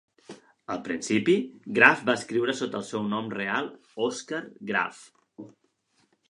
Al principi, Graf va escriure sota el seu nom real Oskar Graf.